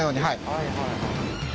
はい。